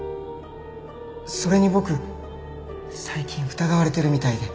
それに僕最近疑われてるみたいで。